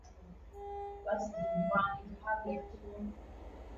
kinadaiwa na mchakato huo unaweza kuchukua zaidi ya mwezi mmoja